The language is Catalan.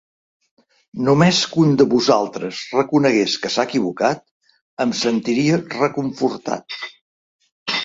Només que un de vosaltres reconegués que s’ha equivocat em sentiria reconfortat.